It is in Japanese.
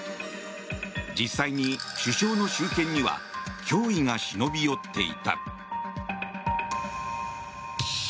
実際に首相の周辺には脅威が忍び寄っていた。